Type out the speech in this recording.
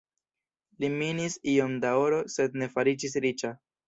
Li minis iom da oro sed ne fariĝis riĉa.